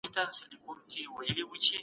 د عدلي کمېسیون کارونه څه دي؟